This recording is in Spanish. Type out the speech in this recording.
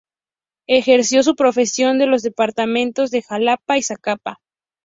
Ejerció su profesión en los departamentos de Jalapa y Zacapa.